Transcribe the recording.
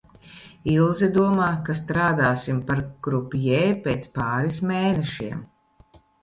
Ilze domā, ka strādāsim par krupjē pēc pāris mēnešiem.